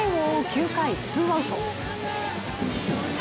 ９回ツーアウト。